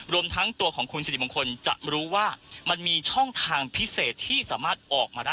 รวมทั้งตัวของคุณสิริมงคลจะรู้ว่ามันมีช่องทางพิเศษที่สามารถออกมาได้